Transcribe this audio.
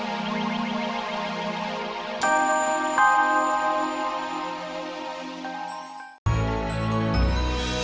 eh perangkap berarti kasih aja deh om ya